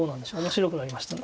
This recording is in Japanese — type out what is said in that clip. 面白くなりました。